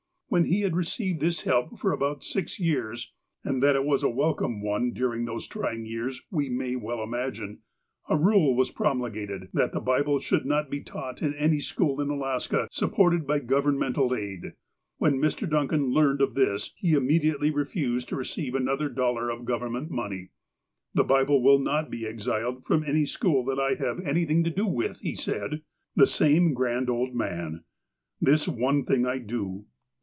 When he had received this help for about six years, — and that it was a welcome one during those trying years we may well imagine, — a rule was promulgated that the Bible should not be taught in any school in Alaska sup ported by governmental aid. When Mr. Duncan learned of this, he immediately refused to receive another dollar of Government money. "The Bible will not be exiled from any school that I have anything to do with," he said. The same grand old man !'' This one thing I do